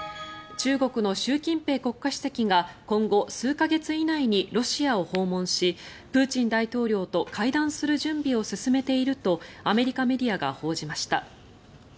中国の習近平国家主席が今後、数か月以内にロシアを訪問しプーチン大統領と会談する準備を進めているとアメリカメディアが報じました。